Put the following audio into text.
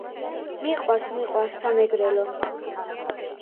მიყვარს მიყვარს სამეგრელო